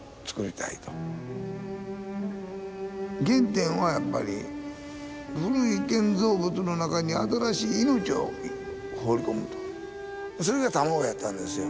原点はやっぱり古い建造物の中に新しい命を放り込むとそれが卵やったんですよ。